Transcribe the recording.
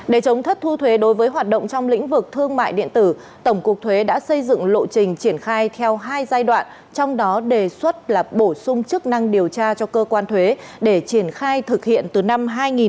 để chống thất thu thuế đối với hoạt động trong lĩnh vực thương mại điện tử tổng cục thuế đã xây dựng lộ trình triển khai theo hai giai đoạn trong đó đề xuất là bổ sung chức năng điều tra cho cơ quan thuế để triển khai thực hiện từ năm hai nghìn một mươi